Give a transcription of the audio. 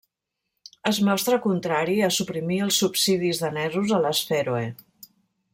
Es mostra contrari a suprimir els subsidis danesos a les Fèroe.